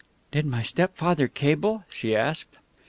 "Did my stepfather cable?" she asked.